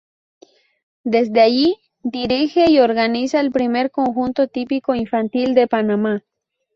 Desde allí dirige y organiza el primer conjunto típico infantil de Panamá.